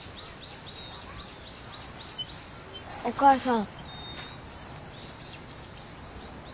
お母さん。